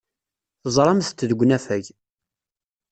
Teẓramt-t deg unafag.